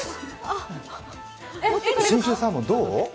信州サーモンどう？